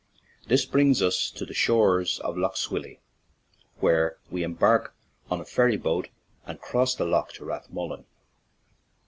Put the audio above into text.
This brings us to the shore of Lough Swilly, where we embark on a ferry boat and cross the lough to Rath mullen.